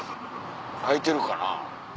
空いてるかな？